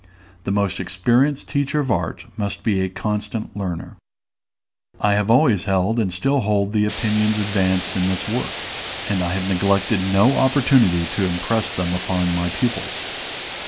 The most experienced teacher of art must be a constant learner. I have always held and still hold the opinions advanced in this work, and I have neglected no opportunity to impress them upon my pupils.